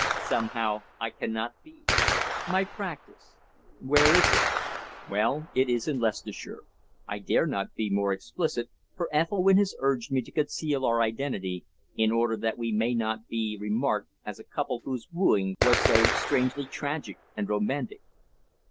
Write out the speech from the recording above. Somehow I cannot be. My practice? Where is it? Well, it is in Leicestershire. I dare not be more explicit, for Ethelwynn has urged me to conceal our identity, in order that we may not be remarked as a couple whose wooing was so strangely tragic and romantic.